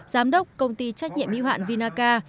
giám đốc công ty trách nhiệm y hạn vinaca